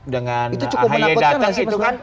dengan ahi yang datang